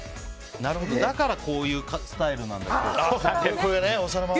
だからこういうスタイルなんだ。